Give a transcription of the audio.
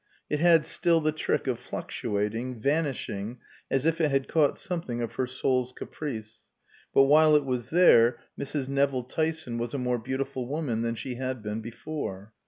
It had still the trick of fluctuating, vanishing, as if it had caught something of her soul's caprice; but while it was there Mrs. Nevill Tyson was a more beautiful woman than she had been before.